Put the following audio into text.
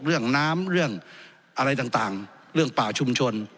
เรื่องน้ำเรื่องอะไรต่างเรื่องป่าชุมชน